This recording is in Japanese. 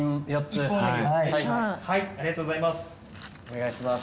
ありがとうございます。